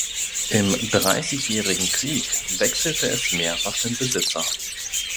Im Dreißigjährigen Krieg wechselte es mehrfach den Besitzer.